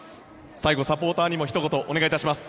最後、サポーターにもひと言お願いします。